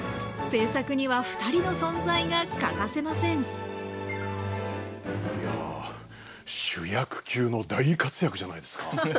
制作には２人の存在が欠かせませんいや主役級の大活躍じゃないですか！